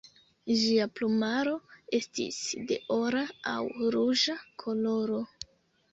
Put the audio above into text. Ĝia plumaro estis de ora aŭ ruĝa koloro.